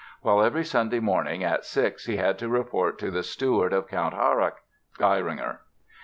while every Sunday morning at 6 he had to report to the steward of Count Harrach" (Geiringer).